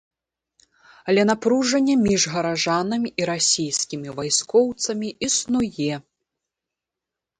Але напружанне між гараджанамі і расійскімі вайскоўцамі існуе.